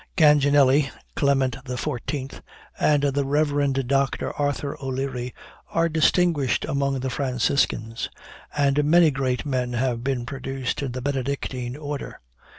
Ganganelli (Clement XIV) and the Reverend Doctor Arthur O'Leary are distinguished among the Franciscans; and many great men have been produced in the Benedictine order.